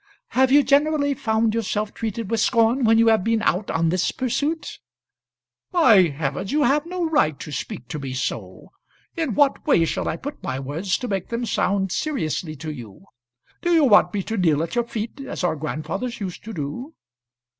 "Have you generally found yourself treated with scorn when you have been out on this pursuit?" "By heavens! you have no right to speak to me so. In what way shall I put my words to make them sound seriously to you? Do you want me to kneel at your feet, as our grandfathers used to do?"